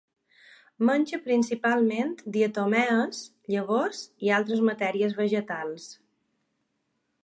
Menja principalment diatomees, llavors i altres matèries vegetals.